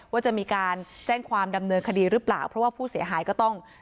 ว่าจะมีการแจ้งความดำเนินคดีหรือเปล่าเพราะว่าผู้เสียหายก็ต้อง